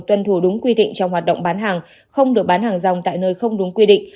tuân thủ đúng quy định trong hoạt động bán hàng không được bán hàng rong tại nơi không đúng quy định